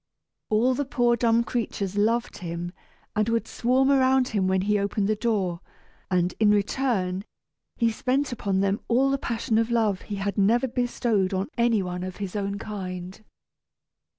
All the poor dumb creatures loved him, and would swarm around him when he opened the door; and, in return, he spent upon them all the passion of love he had never bestowed on any one of his own kind.